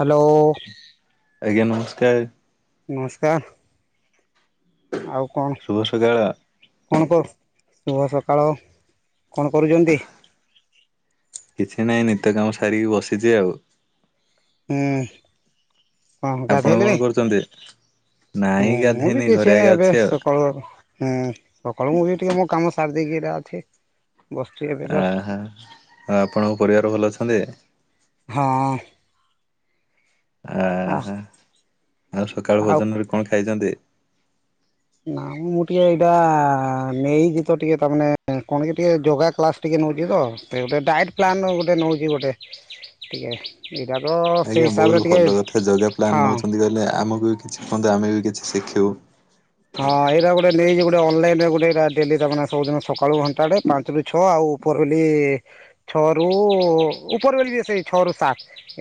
Hello. ଆଜ୍ଞା ନମସ୍କାର। ନମସ୍କାର ଆଉ କଣ ଶୁଭ ସକାଳ କଣ କରୁ ଶୁଭ ସକାଳ କଣ କରୁଚନ୍ତି? କିଛି ନାହିଁ ନିତ୍ୟ କାମ ସାରିକି ବସିଚି ଆଉ। ହୁଁ। କଣ ଆପଣ କଣ କରୁଚନ୍ତି? ମୁଁ ମୁଁ ବି କିଛି ନାହିଁ ଏବେ ଆଉ ସକାଳ ହୁଁ ସକାଳୁ ମୁଁ ବି ଟିକେ ମୋ କାମ ସାରି ଦେଇକି ଏଟା ଅଛି। ବସଚି ଏବେ ଜଷ୍ଟ ଆହା ଆଉ ଆପଣଙ୍କ ପରିବାର ଭଲ ଅଛନ୍ତି? ହଁ। ଆ ଆହା ଆଉ ସକାଳୁ ଭୋଜନ ରେ କଣ ଖାଇଚନ୍ତି? ନା ମୁଁ ଟିକେ ଏଇଟା ନେଇଚି ତ ଟିକେ ତାମାନେ କଣ କି ଟିକେ ଯୋଗା କ୍ଲାସ ଟିକେ ଏଇନେ ଅଛି ତ ଗୋଟେ ଡାଏଟ୍ ପ୍ଲାନ୍ ଗୋଟେ ନଉଚି ଗୋଟେ ଟିକେ [unintelligible] ସେଇ ଆଜ୍ଞା ହିସାବରେ ବହୁତ ଟିକେ ଭଲ କଥା ଜଗା ପ୍ଲାନ୍ ହଁ ନଉଛନ୍ତି କଇଲେ ଆମକୁ ବି କିଛି କୁହନ୍ତୁ ଆମେ ବି କି ଶିଖିବ। ହଁ ଏଇଟା ଗୋଟେ ନେଇକି ଗୋଟେ ଅନଲାଇନରେ ଗୋଟେ କାର ଡେଲି ଜଗନ୍ନାଥ ଓଦିନ ସକାଳୁ ଘଣ୍ଟ୍ ପଢେ ପାଞ୍ଚରୁ ଛଅ ଆଉ। ଉପରବେଲି ଛଅରୁୁ ଉପରବେଲି ବି ସେ ଛଅ ରୁ ସାତ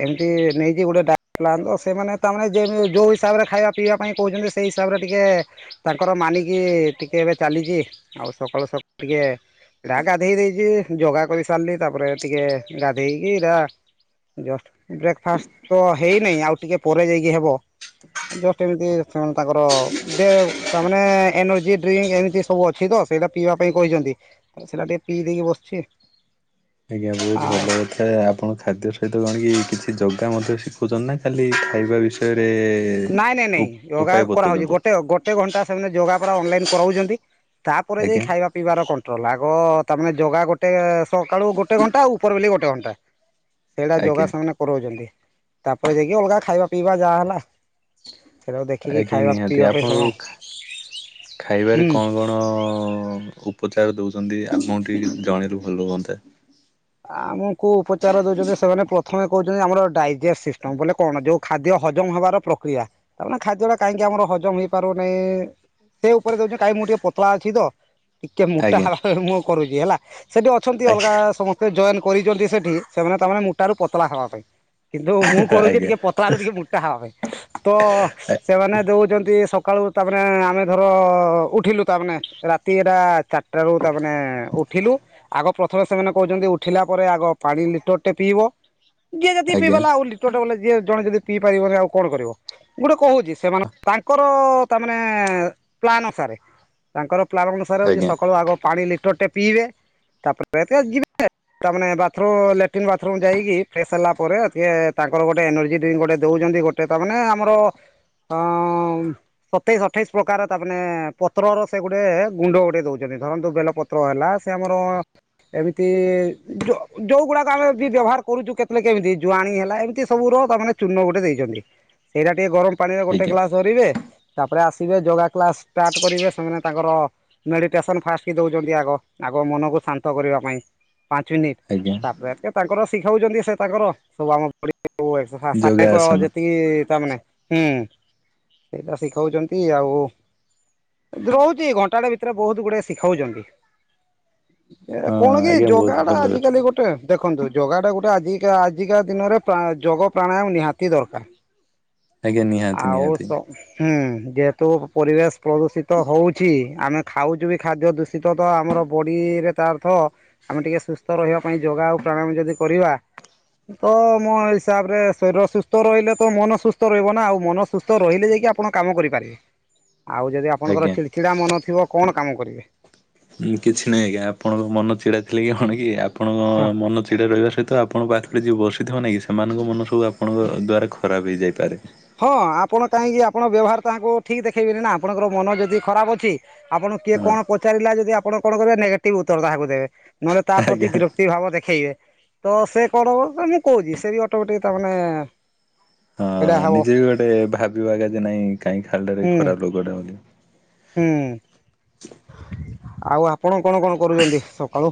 ଏମତି ନେଇଯେ କିଏ ଗୋଟାଏ ଡାକଲାନ୍ ତ ସେମାନେ ତାମାନେ ଯେଦିନ ଯୋଉ ହିସାବରେ ଖାଇବା ପିଇବା ପାଇଁ କହୁଚନ୍ତି ହେଇ ହିସାବରେ ଟିକେ ଏ ତାଙ୍କର ମାନିକି ଟିକେ ଏବେ ଚାଲିଚି ଆଉ ସକାଳୁ ସକାଳୁ ଟିକେ ଏଇଟା ଗାଧେଇ ଦେଇଚି ଯୋଗା କରି ସାରିଲି ତାପରେ ଟିକେ ଗାଧେଇକି ଏଇଟା ବ୍ରେକଫାଷ୍ଟ ତ ହେଇନେଇ ଆଉ ଟିକେ ପରେ ଯାଇକି ହେବ। ଆଉ ଜଷ୍ଟ ଏମିତି ସେମାନେ ତାଙ୍କର ଦେ ତାମାନେେ ଏନର୍ଜି ଡ୍ରିଙ୍କ ଏମିତି ସବୁ ଅଛି ତ ସେଇଟା ପିଇବା ପାଇଁ କହିଚନ୍ତି ସେଇଟା ଟିକେ ପିଇ ଦେଇକି ବସଚି। ଆଜ୍ଞା ବହୁତ ଭଲ କଥା ଆପଣ ଖାଦ୍ୟ ସହିତ କଣ କି କିଛି ଜ ଗା ମଧ୍ୟ ଶିଖୁଚନ୍ତି ନା ଖାଲି ଖାଇବା ବିଷ୍ ନାଇଁ ନାଇଁ ନାଇଁ ଯୋଗା କରାହଉଚି ବତଉଛନ୍ତି ଗୋଟେ ଗୋଟେ ଘଣ୍ଟା ସେମନେ ଯୋଗା କରାଉଛନ୍ତି, ତାପରେ ଯାଇ ଆଜ୍ଞା ଖାଇବା ପିଇବାର କଣ୍ଟ୍ରୋଲ, ଆଗ ତା ଜା ଗୋଟେ ସକାଳୁ ଗୋଟେ ଘଣ୍ଟା, ଆଉ ଉପର ବେଲି ଗୋଟେ ଘଣ୍ଟା, ସେଇଟା ଆଜ୍ଞା ଯୋଗ ସେମାନେ କରଉଛନ୍ତି। ତାପରେ ଯାଇକି ଅଲଗା ଖାଇବା, ପିଇବା ଯାହା ହେଲା ସେଇଟାକୁ ଦେଖିକି ଆଜ୍ଞା, ଖାଇବା ନିହାତି ପିଇବା ପାଇଁ ସେମାନେ ଆପଣଙ୍କୁ ଖାଇବାରେ ହୁଁ କଣ କଣ? ଉପଚାର ଦଉଛନ୍ତି, ଆମକୁ ଟିକେ ଜଣେଇଲେ ଭଲ ହୁଅନ୍ତା। ଆମକୁ ଉପଚାର ଦଉଛନ୍ତି ସେମାନେ ପ୍ରଥମେ କହୁଛନ୍ତି -ଆମର ଡାଇଜେଷ୍ଟ ସିଷ୍ଟମ, ବୋଲେ କଣ ଯୋଉ ଖାଦ୍ୟ ହଜମ ହେବାର ପ୍ରକ୍ରିୟା, ତା ଖାଦ୍ୟ ଟା କାହିଁ ଆମର ହଜମ ହେଇପାରୁନହିଁ, ସେ ଉପରେ ଯଦି କହିବେ, ମୁଁ ଟିକେ ପତଳା ଅଛି ତ। ଟିକେ ମୋଟା ଆଜ୍ଞା ହବାପାଇଁ ମୁଁ କରୁଛି ହେଲା, ସେଠି ଅଛନ୍ତି ଆଜ୍ଞା ଅଲଗା ସମସ୍ତେ ଜଏନ କରିଛନ୍ତି ସେଠି, ସେମାନେ ତାମାନେ ମୁଟା ର ପତଳା ହବା ପାଇଁ। କିନ୍ତୁ ମୁଁ କରୁଛି ଆଜ୍ଞା ଟିକେ ପତଳା ର ଟିକେ ମୋଟା ହବା ପାଇଁ, ତ ସେମାନେ ଦଉଛନ୍ତି ସକାଳୁ ତାମାନେ ଆମେ ଧର ଉଠିଲୁ, ତାମାନେ ରାତି ଏଟା ଚାରିଟ ର ତାମାନେ ଉଠିଲୁ ଆଗ ପ୍ରଥମେ ସେମାନଙ୍କ କହୁଛନ୍ତି ଉଠିଲା ପରେ ଆଗ ପାଣି ଲିଟର ଟେ ପିଇବ, ଯିଏ ଯଦି ଆଜ୍ଞା ପିଇବାଲା ଆଉ ଲିଟରେ ବଲେ ଯ ଜଣେ ଯଦି ପିଇ ପାରିବନି ଆଉ କଣ କରିବ? ଗୋଟେ କହୁଛି ସେମାନେ ତାଙ୍କର ତା, ପ୍ଲାନ୍ ଅନୁସାରେ, ତାଙ୍କର ପ୍ଲାନ ଅନୁସାରେ ଆଜ୍ଞା ସକାଳୁ ଆଗ ପାଣି ଲ ଟଟେ ପିଇବେ ତାପରେ, ଏ ଯିବେ [inaudible] ତାମାନେେ ବାଥରୁମ୍, ଲାଟ୍ରନ୍ ବାଥରୁମ୍ ଯାଇକି, ଫ୍ରେଶ ହେଲା ପରେ ଟିକେ ତାଙ୍କର ଗୋଟେ ଏନର୍ଜି ଡ୍ରିଙ୍କ୍ ଗୋଟେ ଦେଉଛନ୍ତି। ଗୋଟେ ତାମାନେ ଆମର ଅ, ସତେଇଶ ଅଠେଇଶ ପ୍ରକାର ତା ମାନେ ପତ୍ରର ସେ ଗୋଟେ ଗୁଣ୍ଡ ଗୋଟେ ଦଉଛନ୍ତି। ଧରନ୍ତୁ, ବେଲପତ୍ର ହେଲା ସେ ଆମର ଏମ ଯୋଉ ଗୁଡାକ ଆମେ ବି ବ୍ୟବହାର କରୁଛୁ- କେତେବେଳେ କେମିତି, ଜୁଆଣି ହେଲା ଏମିତି ସବୁରାନ ଚୂନ ଗୋଟେ ଦେଇଛନ୍ତି। ସେଇଟା ଟିକେ ଗରମ ପାଣି ରେ ଗୋଟେ ଆଜ୍ଞା ଗ୍ଲାସ ଧରିବେ, ତାପରେ ଆସିବେ ଯୋଗା କ୍ଲାସ ଷ୍ଟାର୍ଟ କରିବେ, ସେମାନେ ତାଙ୍କର ହ ମେଡିଟେସନ ଫାଷ୍ଟ କି ଦଉଛନ୍ତି ଆଗ, ଆଗ ମନକୁ ଶାନ୍ତ କରିବା ପାଇଁ ପାଞ୍ଚ ମିନିଟ, ଆଜ୍ଞା ତାପରେ ତାଙ୍କର ଶିଖାଉଛନ୍ତି ସେ ତାଙ୍କର ସବୁ ଆମ ପ ଯୋଗାସନ ଯେତିକି ତାମାନେ ହୁଁ, ସେଇଟା ଶିଖାଉଛନ୍ତି ଆଉ ରହୁଛି ଘଣ୍ଟାଟେ ଭିତରେ ବହୁତ ଗୁଡାଏ ଶିଖାଉଛନ୍ତି, ହଁ କଣ କି? ଆଜ୍ଞା ଜୋଗା ବହୁତ ଟା ଭଲ କଥା। ଆଜିକାଲି ଗୋଟେ ଦେଖନ୍ତୁ? ଯୋଗା ଟା ଗୋଟେ ଆଜା, ଆଜିକା ଦିନରେ ଯୋଗ ପ୍ରାଣାୟାମ ନିହାତି ଦରକାର। ଆଜ୍ଞା ନିହାତି ଆଉ ନିହାତି ହୁଁ, ଯେହେତୁ ପରିବେଶ ପ୍ରଦୂଷିତ ହଉଛି ଆମେ ଆଉ ଯୋଉ ଏଇ ଖାଦ୍ୟ ଦୂଷିତ ତ ଆମର ବଢ଼ିରେ ତା ଅର୍ଥ -ଆମେ ଟିକେ ସୁସ୍ଥ ରହିବା ପାଇଁ ଯୋଗାଉ ପ୍ରଣାୟାମ ଯଦି କରିବା ତ ମୋ ହିସାବ ରେ ଶରୀର ସୁସ୍ଥ ରହିଲେ ତ, ମନ ସୁସ୍ଥ ରହିବ ନା, ଆଉ ମନ ସୁସ୍ଥ ରହିଲେ ଯାଇକି ଆପଣ କାମ କରିପାରିବେ, ଆଉ ଯଦି ଆଜ୍ଞା। ଆପଣଙ୍କରଛିଡ଼ା ମନ ଥିବ କଣ? କାମ କରିବେ। କିଛି ନାହିଁ ଆଜ୍ଞା, ଆପଣଙ୍କ ମନ ଚିଡା ଥିଲେ କି କଣ କି? ଆପଣଙ୍କ ହଁ। ମନ ଚିଡ଼ା ରହିବା ସହିତ ଆପଣଙ୍କ ପାଖରେ ଯିଏ ବସିଥିବ ନାହି କି -ସେମାନଙ୍କ ମନ ସବୁ ଆପଣଙ୍କ ଦ୍ୱାରା ହଁ ଆପଣ କାହିଁକି? ଆପଣ ବ୍ୟବହାର ତାଙ୍କୁ ଠିକ୍ ଦେଖେଇବେ ନିନା, ଆପଣଙ୍କର ମନ ଯଦି ଖରାପ ଅଛି ଆପଣଙ୍କ କିଏ ହଁ କଣ ପଚାରିଲା, ଯଦି ଆପଣ କଣ କରିବ ନେଗେଟିଭ୍ ଉତ୍ତର ତାହାକୁ ଦେବେ। ନହେଲେ ତା ଆଜ୍ଞା ପ୍ରତି ବିରକ୍ତି ଭାବ ଦେଖେଇବେ, ତ ସେ କଣ ହବମ କହୁଛି, ସେ ବି ଅଟୋମେଟିକ ତାମାନେେ ହଁ, ନିଜେ ବି ଗୋଟେ ଭାବିବାଗା ଯେ ନାଇଁ କାହିଁ ଖାଲଟ ହୁଁ। ଖରାପ ଲୋକଟା ବୋଲି। ହୁଁ। ଆଉ ଆପଣ କଣ କଣ କରୁଛନ୍ତି ସକାଳୁ?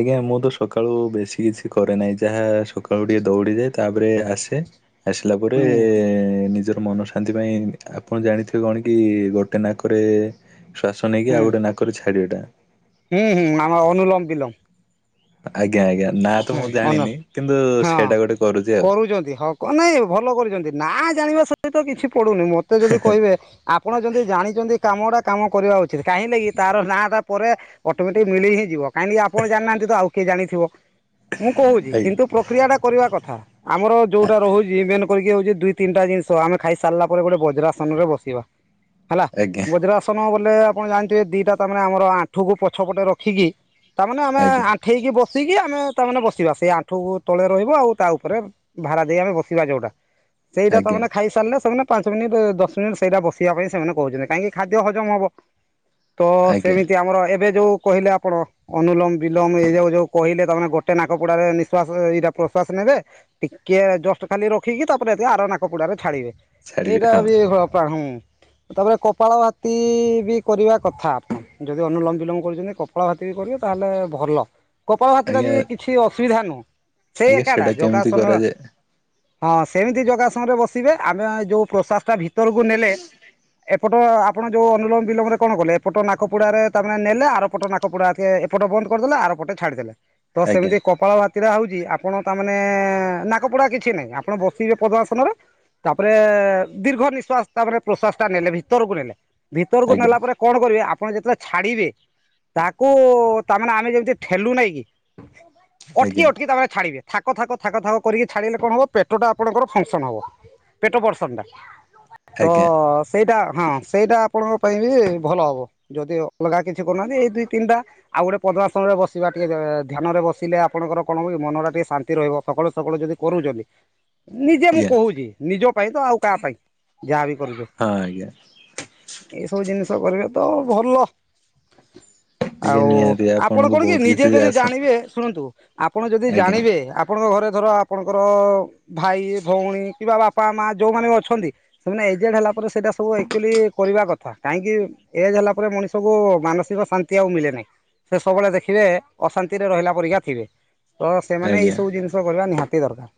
ଆଜ୍ଞା, ମୁଁ ତ ସକାଳୁ ବେଶୀ କିଛି କରେ ନାହିଁ, ଯାହା ସକାଳୁ ଟିକେ ଦୌଡିଯାଏ। ତାପରେ ଆସେ ଆସିଲା ପରେ ହୁଁ ନିଜ ମନ ଶାନ୍ତି ପାଇଁ ଆପଣ ଜାଣିଥିବେ କଣ କି ଗୋଟେ ନାକରେ ଶ୍ୱାସ ନେଇକି ହୁଁ ଆଉ ଗୋଟେ ନାକରେ ଛାଡିବାଟା। ହୁଁ ହୁଁ ଆମର ଅନୁଲମ ବିଲମ। ଆଜ୍ଞା ଆଜ୍ଞା ନା ତ ହଁ ମୁଁ ଅନ ଜାଣିନି କିନ୍ତୁ ହଁ ସେଇଟା ଗୋଟେ କରୁଛି ଆଉ। କରୁଛନ୍ତି ହଉ ନାଇଁ ଭଲ କରୁଛନ୍ତି। ନା ଜାଣିବା ସହିତ କିଛି ପଡୁନି ମତେ ଯଦି କହିବେ ଆପଣ ଯଦି ଜାଣିଛନ୍ତି କାମଡା। କାମ କରିବା ଉଚିତ୍ କାହିଁଲେକି ତାର ନାଁଟା ପରେ ଅଟୋମେଟିକ୍ ମିଳି ହିଁ ଯିବ କାହିଁକି ଆପଣ ଜାଣିନାହାନ୍ତି ତ ଆଉ କି ଜାଣିଥିବ ମୁଁ କହୁଛି ଆଜ୍ଞା। କିନ୍ତୁ ପ୍ରକ୍ରିୟା ଟା କରିବା କଥା ଆମର ଯୋଉଟା ରହୁଛି ମେନ କରିକି ହଉଛି ଦୁଇ ତିନିଟା ଜିନିଷ ଆମେ ଖାଇ ସାରିଲା ପରେ ଗୋଟେ ବଜ୍ରାସନରେ ବସିବା। ହେଲା ଆଜ୍ଞା ବଜ୍ରାସନ ବୋଲେ ଆପଣ ଜାଣିଥିବେ ଦିଟା ତ ମାନେ ଆମର ଆଣ୍ଠୁକୁ ପଛପଟେ ରଖିକି ତା ମାନେ ଆମେ ଆଜ୍ଞା ଆଣ୍ଠେଇକି ବସିକି। ଆମେ ତାମାନେ ବସିବା ସେଇ ଆଣ୍ଠୁ ତଳେ ରହିବ ଆଉ ତା ଉପରେ ଭାରା ଦେଇ ଆମେ ବସିବା ଯୋଉଟା। ସେଇଟା ଆଜ୍ଞା ତମାନେ ଖାଇସାରିଲେ ସେମାନେ ପାଞ୍ଚ ମିନିଟ୍ ଦଶ ମିନିଟ ସେଇଟା ବସିବା ପାଇଁ ସେମାନେ କହୁଛନ୍ତି କାହିଁକି ଖାଦ୍ୟ ହଜମ ହବ। ତ ଆଜ୍ଞା ସେମିତି ଆମର ଏବେ ଯୋଉ କହିଲେ ଆପଣ ଅନୁଲୋଙ୍ଗ ବିଲୋଙ୍ଗ ଏଇ ଯାଉ ଯୋଉ କହିଲେ ତମାନେ ଗୋଟେ ନାକ ପୋଡାରେ ନିଃଶ୍ୱାସ ଏଇଟା ପ୍ରଶ୍ୱାସ ନେବେ ଟିକିଏ ଜଷ୍ଟ ଖାଲି ରଖିକି ତାପରେତି ଆର ନାକପୋଡ଼ାରେ ଛାଡ଼ିବେ ଏଇଟା ବି ହଁ ପା ହୁଁ। ତାପରେ କପାଳ ଭାତି ବି କରିବା କଥା ଆପଣ ଯଦି ଅନୁଲମ୍ ବିଲମ କରୁଥିଲେ କପାଳ ଭାତି କରିବ ତାହେଲେ ଭଲ କପାଳ ଭାତି ଟା ଆଜ୍ଞା। ବି କିଛି ଅସୁବିଧା ନୁହଁ। ସେଇ ଆଜ୍ଞା ଏକା ଟା ସେଇଟା କେମିତି ଯୋଗାସନ କରାଯାଏ ହଁ ସେମିତି ଯୋଗାସନରେ ବସିବେ ଆମେ ଯୋଉ ପ୍ରସାସ ଟା ଭିତରକୁ ନେଲେ ଏ ଏପଟ ଆପଣ ଯୋଉ ଅନୁଲଙ୍ଗ ବିିଲୋଙ୍ଗ ରେ କଣ କଲେ ଏପଟ ନାକପୋଡାରେ ତା ନେଲେ ଆର ପଟ ନାକପୋଡା ଏପଟ ବନ୍ଦ କରିଦେଲେ ଆର ପଟେ ଛାଡିଦେଲେ ତ ଆଜ୍ଞା ସେମିତି କପାଳ ଭାତ ହଉଛି ଆପଣ ତାମାନେ ନାକପୋଡା କିଛି ନାହିଁ ଆପଣ ବସିବେ ପଦ୍ମାସନରେ ତାପରେ ଦୀର୍ଘ ନିଶ୍ଵାସ ତାପରେ ପ୍ରଶ୍ୱାସ ଟା ନେଲେ ଭିତରକୁ ନେଲେ। ଭିତରକୁ ଆଜ୍ଞା ନେଲା ପରେ କଣ କରିବେ ଆ ଆପଣ ଯେତେବେଳେ ଛାଡିବେ ତାକୁ ତାମାନେ ଆମେ ଯେମିତି ଠେଲୁ ନାଇଁ କି? ଅଟକି ଆଜ୍ଞା ଅଟକି ତା ମାନେ ଛାଡିବେ। ଥାକ ଥାକ ଥାକ ଥାକ କରିକି ଛାଡ଼ିଲେ କଣ ହବ ପେଟଟା ଆପଣଙ୍କର ଫଙ୍କସନ ହବ ପେଟ ପର୍ସନ ଟା। ତ ଆଜ୍ଞା ଆଜ୍ଞା। ସେଇଟା ହଁ ସେଇଟା ଆପଣଙ୍କ ପାଇଁ ବି ଭଲ ହବ ଯଦି ଅଲଗା କିଛି କରୁନାହାନ୍ତି ଏଇ ଦୁଇ ତିନିଟା ଆଉ ଗୋଟେ ପଦ୍ମାଶନରେ ବସିବା। ଟିକେ ଧ୍ୟାନରେ ବସିଲେ ଆପଣଙ୍କର କଣ ହ ମନ ଟା ଟିକେ ଶାନ୍ତି ରହିବ ସକାଳୁ ସକାଳୁ ଯଦି କରୁଛନ୍ତି। ନିଜେ ମୁଁ ଆଜ୍ଞା କହୁଛି ନିଜ ପାଇଁ ତ ଆଉ କାହା ପାଇଁ ଯାହାବୀ ହଁ ଆଜ୍ଞା ଏଇସବୁ ଜିନିଷ କରିବେ ତ ଭଲ। ଆଜ୍ଞା ଆଉ ନିହାତି ଆପଣ ଆପଣଙ୍କୁ କଣ କି ବହୁତ ନିଜେ କିଛି ଯଦି ଆସ ଜାଣିବେ ଶୁଣନ୍ତୁ ଆପଣ ଯଦି ଆଜ୍ଞା। ଜାଣିବେ ଆପଣଙ୍କ ଘରେ ଧର ଆପଣଙ୍କର ଭାଇ ଭଉଣୀ କିମ୍ବା ବାପା ମା ଯୋଉମାନେ ଅଛନ୍ତି ସେମାନେ ଏଜେଡ ହେଲା ପରେ ସେଇଟା ସବୁ ଆକଚୁଆଲି କରିବା କଥା କାହିଁକି ଏଜ ହେଲା ପରେ ମଣିଷକୁୁ ମାନସିକ ଶାନ୍ତି। ନ୍ତି ଆଉ ମିଳେ ନାହିଁ ସେ ସବୁବେଳେ ଦେଖିବେ ଅଶାନ୍ତିରେ ରହିଲା ପରିକା ଥିବେ ତ ସେମାନେ ଆଜ୍ଞା। ଏଇସବୁ ଜିନିଷ କରିବା ନିହାତି ଦରକାର।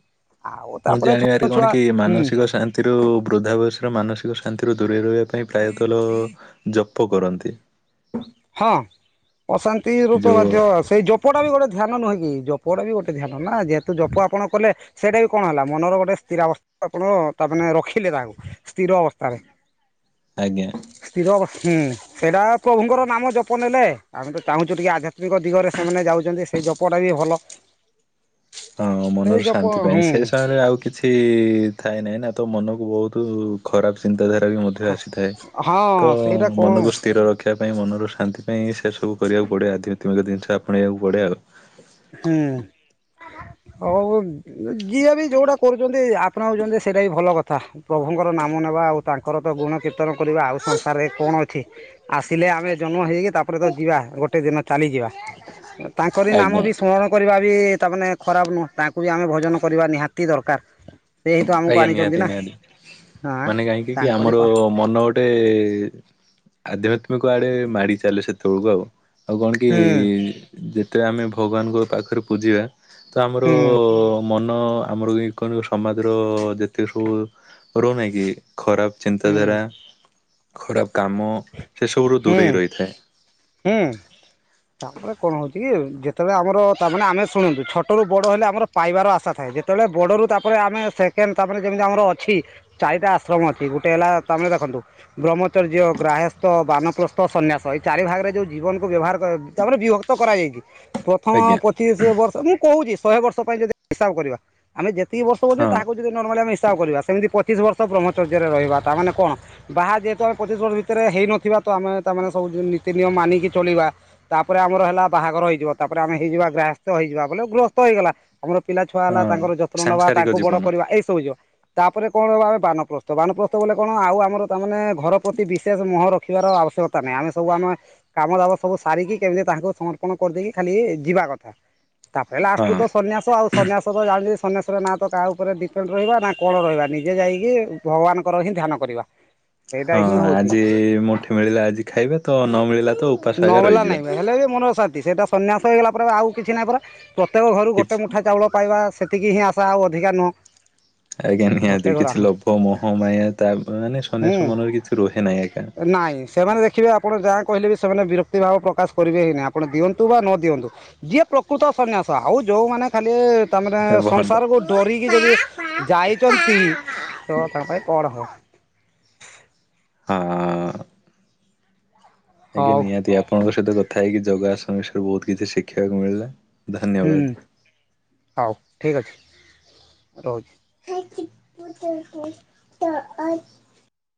ଆଉ ମୁଁ ତାପରେ ଛୋଟ ଜାଣିବାରେରେ କଣ ଛୁଆ କି ହୁଁ ମାନସିକ ଶାନ୍ତିରୁ ବୃଦ୍ଧା ବୟସ ର ମାନସିକ ଶାନ୍ତିରୁ ରେ ରହିବା ପାଇଁ ପ୍ରାୟତଃ ଲ ଜପ କରନ୍ତି। ହଁ ଅଶାନ୍ତିରୁ ତ ଯୋଉ ବାଧ୍ୟ ସେଇ ଜପଟା ବି ଗୋଟେ ଧ୍ୟାନ ନୁହେଁ କି? ଜପଟା ବି ଗୋଟେ ଧ୍ୟାନ ନା ଯେହେତୁ ଜପ ଆପଣ କଲେ ସେଇଟା ବି କଣ ହେଲା ମନର ଗୋଟେ ସ୍ଥିରାବସ୍ଥା ଆପଣ ତାମାନେ ରଖିଲେ ତାକୁ ସ୍ଥିର ଅବସ୍ଥାରେ। ଆଜ୍ଞା। ଯବ ହୁଁ ସେଇଟା ପ୍ରଭୁଙ୍କର ନାମ ଜପ ନେଲେ ଆମେ ତ ଚାହୁଁଛୁ ଟିକେ ଆଧ୍ୟାତ୍ମିକ ଦିଗରେ ସେମାନେ ଯାଉଛନ୍ତି ସେଇ ଜପଟା ବି ଭଲ। ହଁ ସେଇ ମନର ଜପ ଶାନ୍ତି ପାଇଁ ହୁଁ ସେ ସମୟରେ ଆଉ କିଛି ଥଏ ନାହିଁ ନା। ତ ମନକୁ ବହୁତ ଖରାପ ଚିନ୍ତାଧାରା ବି ମଧ୍ୟ ଆସିଥାଏ। ହଁ ତ ସେଇଟା କଣ ମନକୁ ସ୍ଥିର ରଖିବା ପାଇଁ ମନରୁ ଶାନ୍ତି ପାଇଁ ସେ ସବୁ କରିବାକୁ ପଡେ ଅଧ୍ୟାତ୍ମିକ ଜିନିଷ ଆପଣେଇବାକୁ ପଡେ ଆଉ। ହୁଁ। ହଉ ଯିଏ ବି ଯୋଉଟା କରୁଛନ୍ତି ଆପଣ ହଉଛନ୍ତି ସେଇଟା ବି ଭଲ କଥା ପ୍ରଭୁଙ୍କର ନାମ ନେବା ଆଉ ତାଙ୍କର ତ ଗୁଣ କୀର୍ତ୍ତନ କରିବା ଆଉ ସଂସାରରେ କଣ ଅଛି। ଆସିଲେ ଆମେ ଜନ୍ମ ହେଇ ତାପରେ ତ ଯିବା ଗୋଟେ ଦିନ ଚାଲିଯିବା ତାଙ୍କରି ନାମ ଆଜ୍ଞା ବି ସ୍ମରଣ ବି ତାମାନେ ଖରାପ ନୁହଁ ତାଙ୍କୁ ବି ଆମେ ଭଜନ କରିବା ନିହାତି ଦରକାର। ସେ ହିଁ ତ ଆମକୁ ଆଜ୍ଞା ଆଣିଛନ୍ତି ନିହାତି ନା ନିହାତି। ହଁ ମାନେ କାହିଁକି କି ତାଙ୍କରି ଆମର ପା ମନ ଗୋଟେ ଆଧ୍ୟାତ୍ମିକ ଆଡେ ମାଡି ଚାଲେ ସେତେବେଳକୁ ଆଉ। ଆଉ କଣ କି ହୁଁ ଯେ ତେ ଆମେ ଭଗବାନଙ୍କ ପାଖରେ ପୂଜିବା ତ ଆମର ହୁଁ ମନ ଆମର ଯେ କୁହନ୍ତୁ ସମାଜର ଯେତେ ସବୁ ରହୁନାହିଁ କି ଖରାପ ହୁଁ ଚିନ୍ତାଧାରା ଖରାପ କାମ ସେସବୁରୁ ହୁଁ ଦୂରେଇ ରହିଥାଏ। ହୁଁ। ତାପରେ କଣ ହଉଛି କି ଯେତେବେଳେ ଆମର ତାମାନେ ଆମେ ଶୁଣନ୍ତୁ ଛୋଟ ରୁ ବଡ ହେଲେ ଆମର ପାଇବାର ଆଶା ଥାଏ। ଯେତେବେଳେ ବଡ଼ରୁ ତାପରେ ଆମେ ସେକେଣ୍ଡ ତାମାନେ ଯେମିତି ଆମର ଅଛି ଚାରିଟା ଆଶ୍ରମ ଅଛି ଗୋଟେ ହେଲା ତାମରେ ଦେଖନ୍ତୁ ବ୍ରହ୍ମଚର୍ଯ୍ୟ, ଗ୍ରାହସ୍ଥ, ବାନପ୍ରସ୍ଥ, ସନ୍ନ୍ୟାସ ଏଇ ଚାରି ଭାଗରେ ଯେଉଁ ଜୀବନକୁ ବ୍ୟବହାର କ ତାପରେ ବିଭକ୍ତ କରାଯାଇକି। ପ୍ରଥମ ଆଜ୍ଞା ପଚିଶ ବର୍ଷ ମୁଁ କହୁଛି ଶହେ ବର୍ଷ ପାଇଁ ଯଦି ହିସାବ କରିବା ଆମେ ଯେତିକି ବର୍ଷ କହୁଚେ ହଁ ତାହାକୁ ଯଦି ନର୍ମାଲି ଆମେ ହି କରିବା ସେମିତି ପଚିଶ ବର୍ଷ ବ୍ରହ୍ମଚର୍ଯ୍ୟରେ ରହିବା ତାମାନେ କଣ ବାହା ଯେହେତୁ ଆମେ ପଚିଶ ବର୍ଷ ଭିତରେ ହେଇନଥିବା ତ ଆମେ ତାମାନେ ସବୁ ନୀତିନିୟମ ମାନିକି ଚଳିବା। ତାପରେ ଆମର ହେଲା ବାହାଘର ହେଇଯିବ। ତାପରେ ଆମେ ହେଇଯିବା ଗ୍ରାହସ୍ଥ ହେଇଯିବା ବୋଲେ ଗୃହସ୍ଥ ହେଇଗଲା। ଆମର ପିଲା ଛୁଆ ହେଲା ହଁ ତାଙ୍କର ଯତ୍ନ ନବା ସାଂସାରିକ ତାଙ୍କୁ ବଡ ଜୀବନ କରିବା ଏଇ ସବୁ ଯିବ। ତାପରେ କଣ ହବା ଆମେ ବାନପ୍ରସ୍ଥ ବାନପ୍ରସ୍ଥ ବଲେ କଣ ଆଉ ଆମର ତାମାନେ ଘର ପ୍ରତି ବିଶେଷ ମୋହ ରଖିବାର ଆ ଆବଶ୍ୟକତା ନାହିଁ। ଆମେ ସବୁ ଆମେ କାମ ଦାମ ସବୁ ସାରିକି କେମିତି ତାଙ୍କୁ ସମର୍ପଣ କରିଦେଇକି ଖାଲି ଯିବା କଥା। ତାପରେ ଲାଷ୍ଟ ହଁ କୁ ତ ସନ୍ନ୍ୟାସ ଆଉ ସନ୍ନ୍ୟାସ ତ ଜାଣି ସନ୍ୟାସ ନାଁ ତ କାହା ଉପରେ ଡିପେଣ୍ଡ ରହିବା ନା କଣ ରହିବା ନିଜେ ଯାଇକି ଭଗବାନଙ୍କର ହିଁ ଧ୍ୟାନ କରିବା। [inaudible] ସେଇଟା ହଁ ହିଁ ହଉଛି ଆଜି ମୁଠେ ମିଳିଲା ଆଜି ଖାଇବେ ତ ନ ମିଳିଲା ତ ଉପାସ ଆଗା ନହେଲା ରହିଯିବା। ନାଇଁ ହେଲେ ବି ମନର ଶାନ୍ତି। ସେଇଟା ସନ୍ନ୍ୟାସ ହେଇଗଲା ପରେ ଆଉ କିଛି ନାଇଁ ପରା। ପ୍ରତ୍ୟେକ ଘରୁ କିଛି ଗୋଟେ ମୁଠା ଚାଉଳ ପାଇବା ସେତିକି ହିଁ ଆଶା ଆଉ ଅଧିକା ନୁହଁ। ଆଜ୍ଞା ନିହାତି ଗୋଟେ ଘର କିଛି ହଁ ଲୋଭ ମୋହ ମାୟା ତା ମାନେ ହୁଁ ସନ୍ୟାସ ମନ କିଛି ରୁହେ ନାଇଁ ଏକା। ନାଇଁ ସେମାନେ ଦେଖିବେ ଆପଣ ଯାହା କହିଲେ ବି ସେମାନେ ବିରକ୍ତି ଭାବ ପ୍ରକାଶ କରିବେ ହିଁଁ ନାଇ ଆପଣ ଦିଅନ୍ତୁ ବା ନ ଦିଅନ୍ତୁ ଯିଏ ପ୍ରକୃତ ସନ୍ୟାସ ଆଉ ଯୋଉ ମା ଖାଲି ତାମାନେ ଭଣ୍ଡ ସଂସାରକୁ ହଁ ଡରିକି ଯଦି ଯାଇଛନ୍ତି ତ ତାଙ୍କ ପାଇଁ କଳହ ହଁ। ଆଜ୍ଞା ହଉ ନିହାତି ଆପଣଙ୍କ ସହିତ କଥା ହେଇକି ଯୋଗ ଆସନ ବିଷୟରେ ବହୁତ କିଛି ଶିଖିବାକୁ ମିଳିଲା। ହୁଁ ଧନ୍ୟବାଦ। ହଉ ଠିକ ଅଛି। ରହୁଚି। [unintelligible]